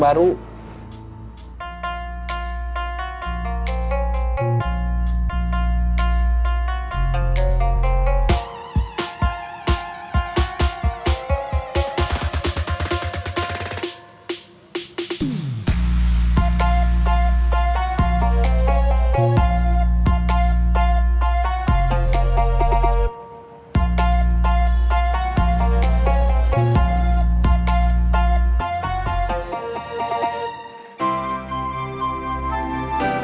tiga puluh tahun nanti